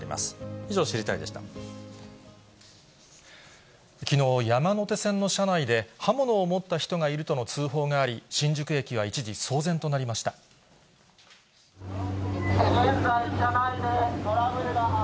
以上、きのう、山手線の車内で、刃物を持った人がいるとの通報があり、新宿駅は一時、騒然となりただいま車内でトラブルが発